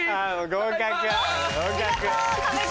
合格。